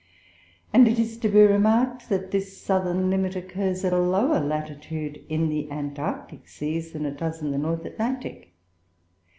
And it is to be remarked that this southern limit occurs at a lower latitude in the Antarctic seas than it does in the North Atlantic.